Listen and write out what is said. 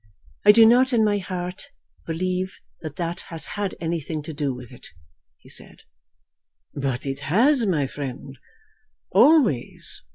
"I do not in my heart believe that that has had anything to do with it," he said. "But it has, my friend, always.